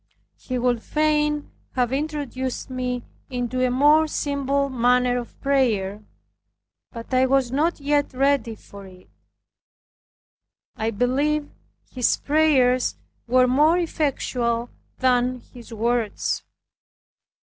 He would fain have introduced me into a more simple manner of prayer, but I was not yet ready for it. I believe his prayers were more effectual than his words.